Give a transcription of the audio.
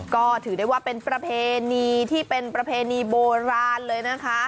ก็ถือได้ว่าเป็นประเพณีที่เป็นประเพณีโบราณเลยนะคะ